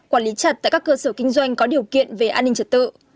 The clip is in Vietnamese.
quản lý chặt tại các cơ sở kinh doanh có điều kiện về an ninh trật tự